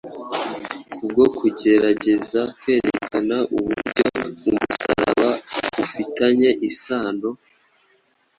kubwo kugeregeza kwerekana uburyo umusaraba ufitanye isano